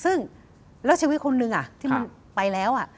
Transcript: ซึ่งแล้วชีวิตคนหนึ่งอ่ะที่มันไปแล้วอ่ะ